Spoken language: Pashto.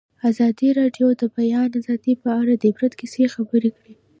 ازادي راډیو د د بیان آزادي په اړه د عبرت کیسې خبر کړي.